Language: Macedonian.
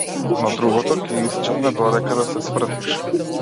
Но другото ќе исчезне додека да се свртиш.